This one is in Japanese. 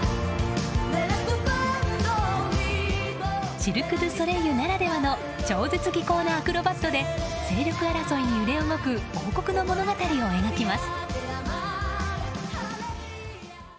シルク・ドゥ・ソレイユならではの超絶技巧のアクロバットで勢力争いに揺れ動く王国の物語を描きます。